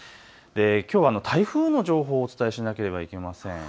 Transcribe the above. きょうは台風の情報をお伝えしなければいけません。